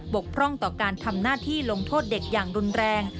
กพร่องต่อการทำหน้าที่ลงโทษเด็กอย่างรุนแรง